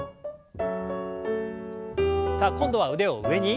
さあ今度は腕を上に。